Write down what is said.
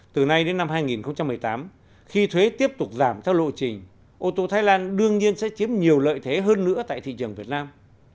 từ nay đến năm hai nghìn một mươi tám khi thuế tiếp tục giảm theo lộ trình ô tô thái lan đương nhiên sẽ chiếm nhiều lợi thế hơn nữa tại thị trường việt nam